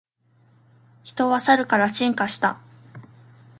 人はサルから進化した